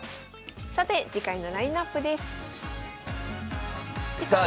さて次回のラインナップです。